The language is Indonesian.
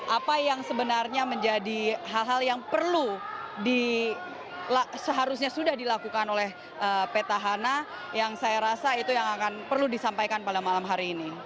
apa yang sebenarnya menjadi hal hal yang perlu seharusnya sudah dilakukan oleh petahana yang saya rasa itu yang akan perlu disampaikan pada malam hari ini